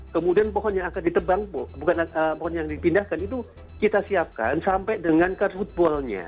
kemudian pohon yang akan ditebang bukan pohon yang dipindahkan itu kita siapkan sampai dengan ke footballnya